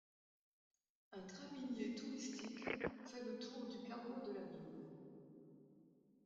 Un train minier touristique fait le tour du carreau de la mine.